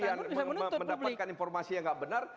kalau publik kemudian mendapatkan informasi yang nggak benar